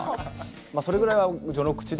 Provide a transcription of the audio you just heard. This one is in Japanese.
それくらいは序の口で。